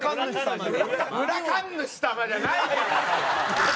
村神主様じゃないから！